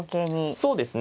そうですね。